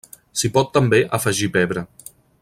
S'hi pot també afegir pebre.